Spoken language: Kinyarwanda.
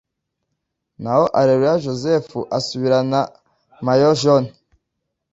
naho Areruya Joseph asubirana Maillot Jaune